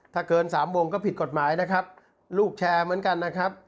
ถ้าเกินสามวงก็ผิดกฎหมายนะครับลูกแชร์เหมือนกันนะครับ